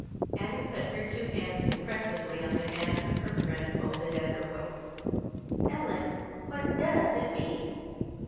Annie put her two hands impressively on the hands of her friend folded at her waist. "Ellen, what does it mean?"